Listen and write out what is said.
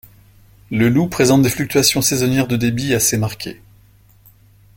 Le Loup présente des fluctuations saisonnières de débit assez marquées.